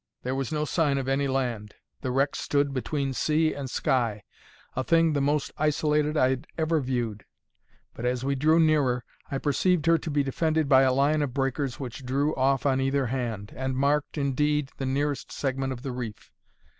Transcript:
There was no sign of any land; the wreck stood between sea and sky, a thing the most isolated I had ever viewed; but as we drew nearer, I perceived her to be defended by a line of breakers which drew off on either hand, and marked, indeed, the nearest segment of the reef.